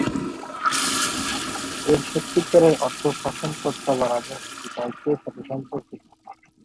এর সত্যিকারের অর্থ শাসনকর্তা বা রাজার প্রতি দায়িত্বের সাথে সম্পর্কিত।